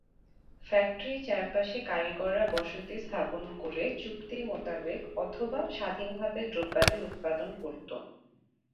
ফ্যাক্টরির চারপাশে কারিগররা বসতি স্থাপন করে চুক্তি মোতাবেক অথবা স্বাধীনভাবে দ্রব্যাদি উৎপাদন করত।